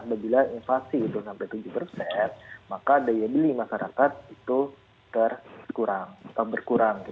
apabila inflasi itu sampai tujuh persen maka daya beli masyarakat itu berkurang